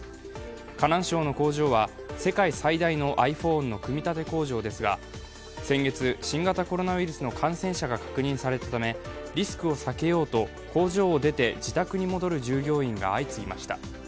河南省の工場は、世界最大のｉＰｈｏｎｅの組み立て工場ですが先月、新型コロナウイルスの感染者が確認されたためリスクを避けようと工場を出て自宅に戻る従業員が相次ぎました。